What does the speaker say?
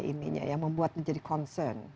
apa yang membuat anda jadi concern